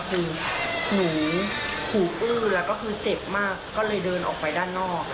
คือหนูหูอื้อแล้วก็คือเจ็บมากก็เลยเดินออกไปด้านนอก